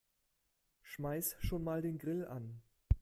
Schmeiß schon mal den Grill an.